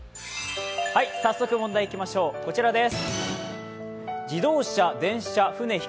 早速、問題いきましょう、こちらです。